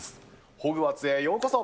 ホグワーツへようこそ。